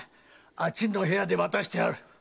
あっちの部屋で待たせてある。